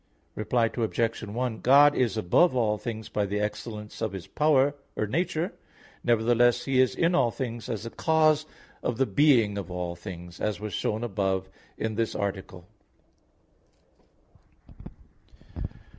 Reply Obj. 1: God is above all things by the excellence of His nature; nevertheless, He is in all things as the cause of the being of all things; as was shown above in this article.